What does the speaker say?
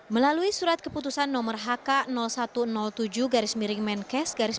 melalui surat keputusan nomor hk satu ratus tujuh empat ratus tiga belas dua ribu dua puluh